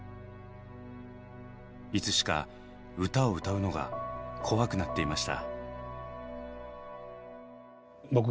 いつしか歌を歌うのが怖くなっていました。